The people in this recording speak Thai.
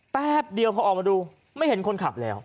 แป๊บเดียวพอออกมาดูไม่เห็นคนขับแล้ว